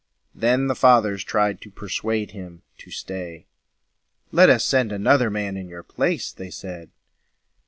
Then the Fathers tried to persuade him to stay. "Let us send another man in your place," they said.